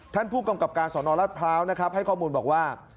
ท่านผู้กำกับการสอนอรัฐพร้าวนะครับให้ข้อมูลบอกว่า